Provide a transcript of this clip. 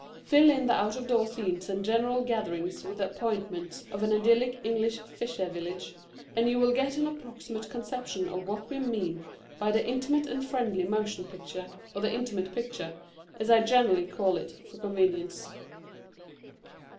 Fill in the out of door scenes and general gatherings with the appointments of an idyllic English fisher village, and you will get an approximate conception of what we mean by the Intimate and friendly Motion Picture, or the Intimate Picture, as I generally call it, for convenience.